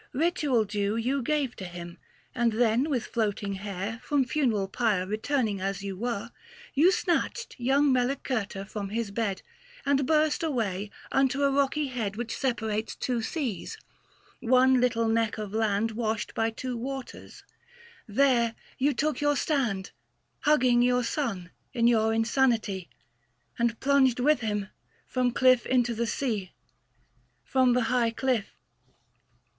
Ritual due You gave to him : and then with floating hair From funeral pyre returning as you were, You snatched young Melicerta from his bed, And burst away unto a rocky head 590 Which separates two seas — one little neck of land Washed by two waters ; there you took your stand, Hugging your son in your insanity, And plunged with him from cliff into the sea — From the high cliff.